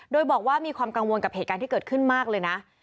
โดยบอกว่ามีความกังวลกับเหตุการณ์ที่เกิดขึ้นมากเลยนะ